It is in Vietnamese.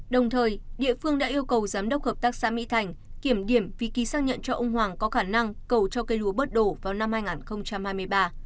đồng thời địa phương đã yêu cầu giám đốc hợp tác xã mỹ thành kiểm điểm việc ký xác nhận cho ông hoàng có khả năng cầu cho cây lúa bớt đổ vào năm hai nghìn hai mươi ba